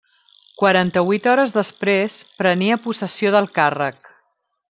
Quaranta-vuit hores després prenia possessió del càrrec.